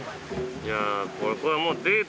いやこれもう。